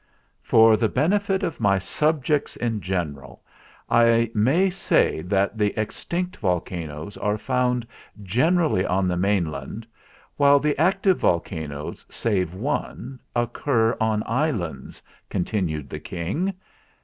"For the benefit of my subjects in general, I may say that the extinct volcanoes are found generally on the mainland, while the active volcanoes, save one, occur on islands," con tinued the King.